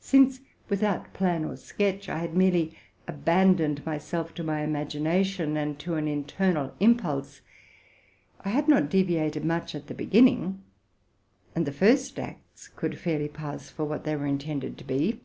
Since, without plan or sketch, I had mereiy aban doned myself to my imagination and to an internal impulse, I had not deviated much at the beginning, and the first acts could fairly pass for what they were intended to be.